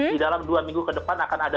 di dalam dua minggu ke depan akan ada